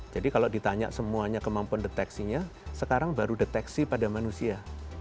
jadi kalau ditanya semuanya kemampuan deteksinya sekarang baru deteksi pada manusia